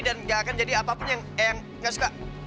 dan enggak akan jadi apapun yang eyang enggak suka